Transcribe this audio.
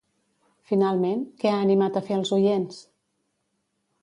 Finalment, què ha animat a fer als oients?